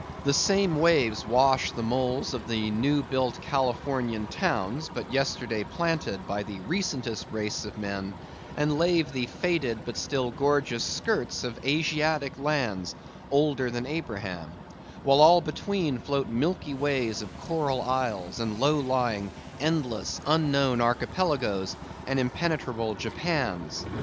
The same waves wash the moles of the new built Californian towns, but yesterday planted by the recentest race of men, and lave the faded but still gorgeous skirts of Asiatic lands, older than Abraham; while all between float milky ways of coral isles, and low lying, endless, unknown Archipelagoes, and impenetrable Japans.